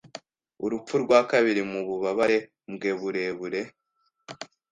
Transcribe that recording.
Urupfu rwa kabiri mububabare bwe burebure